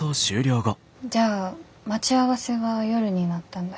じゃあ待ち合わせは夜になったんだ。